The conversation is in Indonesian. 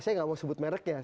saya nggak mau sebut mereknya